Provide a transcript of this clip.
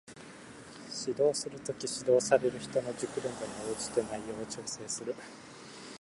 指導する時、指導される人の熟練度に応じて内容を調整する